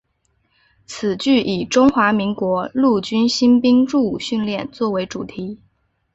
此剧以中华民国陆军新兵入伍训练作为主题。